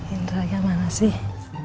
indra gimana sih